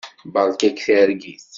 Beṛka-k targit.